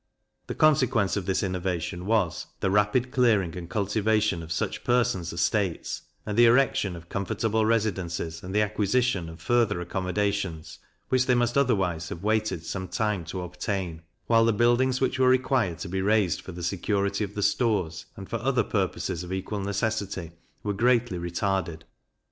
The consequence of this innovation was, the rapid clearing and cultivation of such persons' estates, and the erection of comfortable residences and the acquisition of further accommodations, which they must otherwise have waited some time to obtain; while the buildings which were required to be raised for the security of the stores, and for other purposes of equal necessity, were greatly retarded.